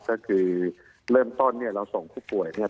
ก็คือเริ่มต้นเนี่ยเราส่งผู้ป่วยเนี่ย